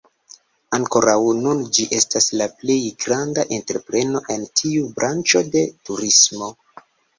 Ankoraŭ nun ĝi estas la plej granda entrepreno en tiu branĉo de turismo.